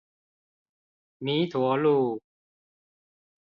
彌陀路